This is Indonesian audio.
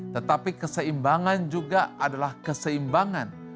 tetapi keseimbangan juga adalah keseimbangan